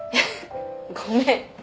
ごめん。